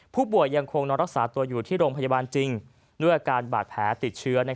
ผู้ป่วยยังคงนอนรักษาตัวอยู่ที่โรงพยาบาลจริงด้วยอาการบาดแผลติดเชื้อ